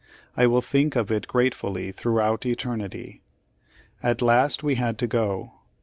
I will think of it gratefully throughout eternity. At last we had to go.